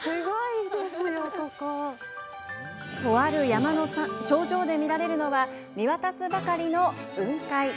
とある山の頂上で見られるのは見渡すばかりの雲海。